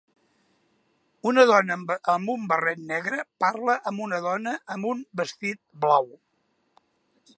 Una dona amb un barret negre parla amb una dona amb un vestit blau.